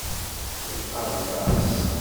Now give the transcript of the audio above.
Yeqqar aṭas.